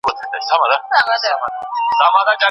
مشورت د کورنۍ د نظم لپاره ضروري ده.